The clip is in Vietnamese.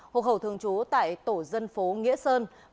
hộ khẩu thường trú tại tổ dân phố nghĩa sơn tp hcm